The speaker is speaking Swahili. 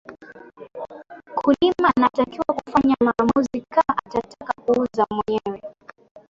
Mkulima anatakiwa kufanya maamuzi kama atataka kuuza mwenyewe